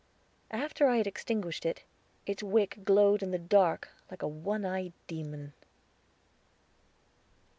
After I had extinguished it, its wick glowed in the dark like a one eyed demon.